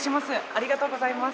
ありがとうございます。